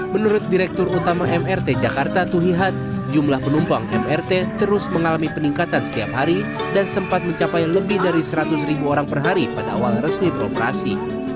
menurut direktur utama mrt jakarta tuhihat jumlah penumpang mrt terus mengalami peningkatan setiap hari dan sempat mencapai lebih dari seratus ribu orang per hari pada awal resmi beroperasi